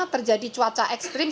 terjadi cuaca ekstrim